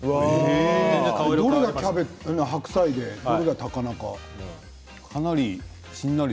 どれが白菜でどれが高菜か分からない。